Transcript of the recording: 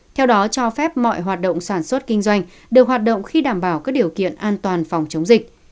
theo đó cho phép mọi hoạt động sản xuất kinh doanh đều hoạt động khi đảm bảo các điều kiện an toàn phòng chống dịch